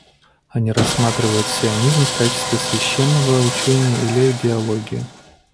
Они рассматривают сионизм в качестве священного учения или идеологии.